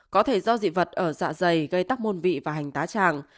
có thể do dị vật ở dạ dày gây tắc môn vị và hành tá tràng